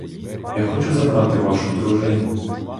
Я хочу забрати вашу дружину.